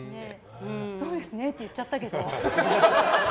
そうですねって言っちゃったけど。